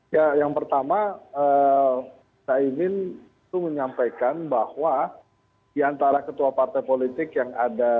ya yang pertama caimin itu menyampaikan bahwa diantara ketua partai politik yang ada